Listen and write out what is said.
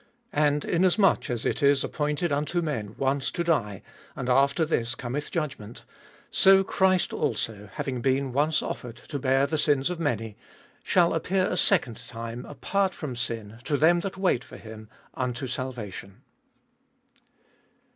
27. And inasmuch as it is appointed unto men once to die, and after this cometh judgment ; 28. So Christ also, having been once offered to bear the sins of many, shall appear a second time, apart from sin, to them that wait for Mm, unto salvation.